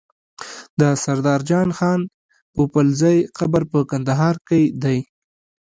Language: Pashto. د سردار جان خان پوپلزی قبر په کندهار کی دی